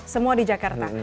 semua di jakarta